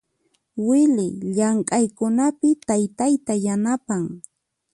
Wily llamk'aykunapi taytayta yanapan.